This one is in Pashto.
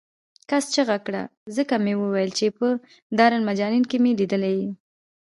کس چغه کړه ځکه مې وویل چې په دارالمجانین کې مې لیدلی یې.